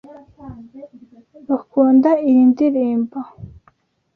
Bakunda iyi ndirimbo.